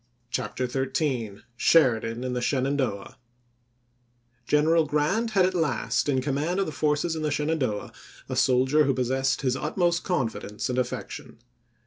CHAPTER XIII SHERIDAN IN THE SHENANDOAH GENERAL GRANT had at last in command of ch. xiii. the forces in the Shenandoah a soldier who pos ism. sessed his utmost confidence and affection.